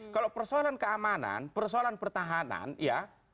kalau persoalan keamanan persoalan pertahanan ya